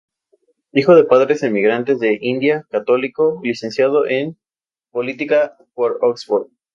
Hijo de padres emigrantes de India, católico, licenciado en Política por Oxford.